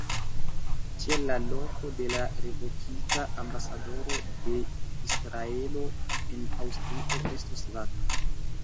Tial la loko de la revokita ambasadoro de Israelo en Aŭstrio restos vaka.